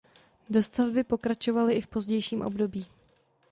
Dostavby pokračovaly i v pozdějším období.